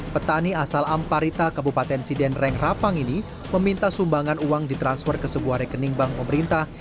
petani asal amparita kabupaten sidenreng rapang ini meminta sumbangan uang ditransfer ke sebuah rekening bank pemerintah